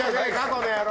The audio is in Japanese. この野郎！